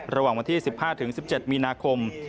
ระหว่างวันที่๑๕๑๗มีนาคม